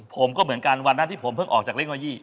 ผมก็เหมือนกันวันนั้นที่ผมเพิ่งออกจากเลขโล๒๐